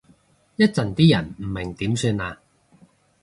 一陣啲人唔明點算啊？